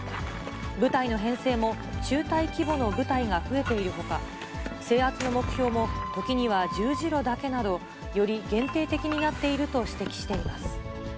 部隊の編成も中隊規模の部隊が増えているほか、制圧の目標も時には十字路だけなど、より限定的になっていると指摘しています。